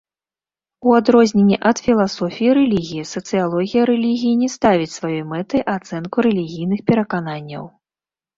У адрозненне ад філасофіі рэлігіі, сацыялогія рэлігіі не ставіць сваёй мэтай ацэнку рэлігійных перакананняў.